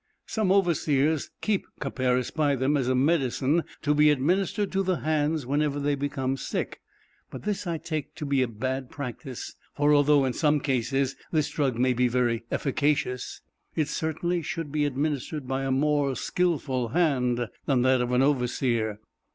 Some overseers keep copperas by them, as a medicine, to be administered to the hands whenever they become sick; but this I take to be a bad practice, for although, in some cases, this drug may be very efficacious, it certainly should be administered by a more skillful hand than that of an overseer.